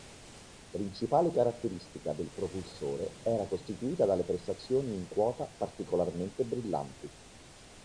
Principale caratteristica del propulsore era costituita dalle prestazioni in quota particolarmente brillanti.